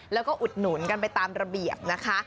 แล้วก็อุดหนุนกันไปตามระเบียบนะคะ